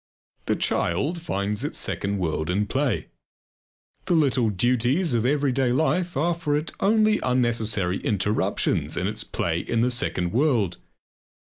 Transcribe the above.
The child finds its second world in play. The little duties of everyday life are for it only unnecessary interruptions in its play in the second world.